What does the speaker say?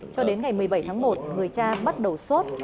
cho đến ngày một mươi bảy tháng một người cha bắt đầu sốt